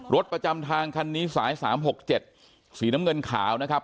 ประจำทางคันนี้สาย๓๖๗สีน้ำเงินขาวนะครับ